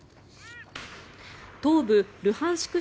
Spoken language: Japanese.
東部ルハンシク